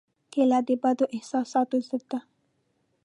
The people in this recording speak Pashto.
کېله د بدو احساساتو ضد ده.